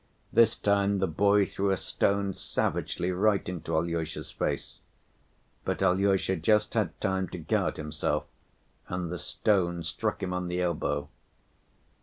This time the boy threw a stone savagely right into Alyosha's face; but Alyosha just had time to guard himself, and the stone struck him on the elbow.